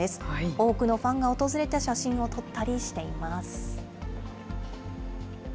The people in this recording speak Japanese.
多くのファンが訪れて写真を撮ったりしています。